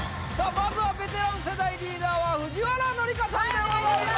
まずはベテラン世代リーダーは藤原紀香さんでございます